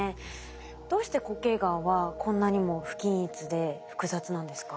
どうして固形がんはこんなにも不均一で複雑なんですか？